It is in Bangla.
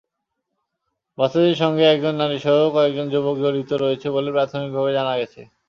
বাছেদের সঙ্গে একজন নারীসহ কয়েকজন যুবক জড়িত রয়েছে বলে প্রাথমিকভাবে জানা গেছে।